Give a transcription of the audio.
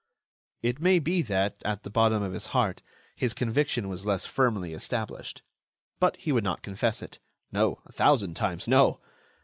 It may be that, at the bottom of his heart, his conviction was less firmly established, but he would not confess it. No, a thousand times, no!